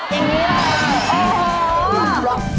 อย่างนี้แหละโอ้โห